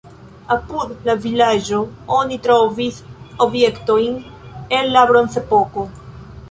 Apud la vilaĝo oni trovis objektojn el la bronzepoko.